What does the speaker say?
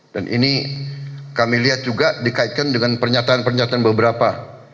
dan ini kami lihat juga dikaitkan dengan pernyataan pernyataan beberapa